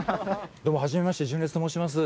どうも初めまして純烈と申します。